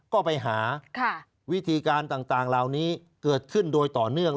ก็ไปหาวิธีการต่างเหล่านี้เกิดขึ้นโดยต่อเนื่อง